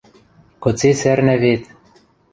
– Кыце сӓрнӓ вет...